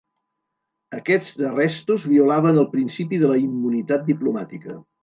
Aquests arrestos violaven el principi de la immunitat diplomàtica.